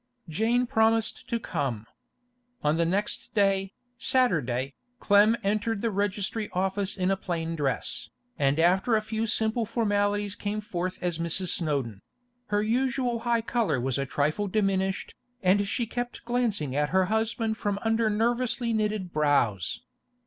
Jane promised to come. On the next day, Saturday, Clem entered the registry office in a plain dress, and after a few simple formalities came forth as Mrs. Snowdon; her usual high colour was a trifle diminished, and she kept glancing at her husband from under nervously knitted brows.